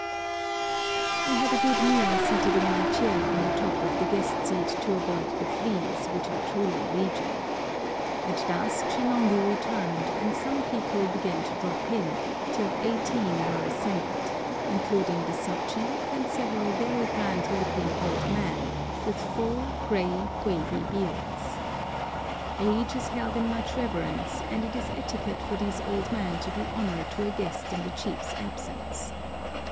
I had a good meal seated in my chair on the top of the guest seat to avoid the fleas, which are truly legion. At dusk Shinondi returned, and soon people began to drop in, till eighteen were assembled, including the sub chief and several very grand looking old men, with full, grey, wavy beards. Age is held in much reverence, and it is etiquette for these old men to do honour to a guest in the chief's absence.